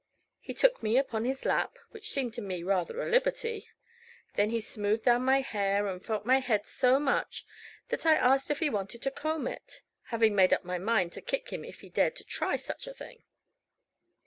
He took me upon his lap, which seemed to me rather a liberty; then he smoothed down my hair, and felt my head so much that I asked if he wanted to comb it, having made up my mind to kick if he dared to try such a thing.